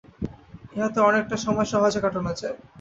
ইহাতে অনেকটা সময় সহজে কাটানো যায়।